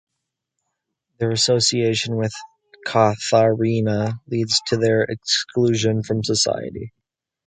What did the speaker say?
Their association with Katharina leads to their exclusion from society.